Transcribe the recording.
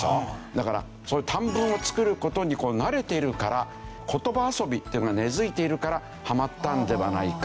だからそういう短文を作る事に慣れてるから言葉遊びっていうのが根付いているからはまったんではないか。